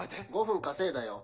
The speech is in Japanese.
５分稼いだよ。